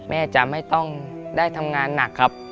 แม่จะไม่ต้องได้ทำงานหนักครับ